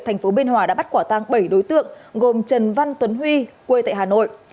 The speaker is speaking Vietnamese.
thành phố biên hòa đã bắt quả tăng bảy đối tượng gồm trần văn tuấn huy quê tại hà nội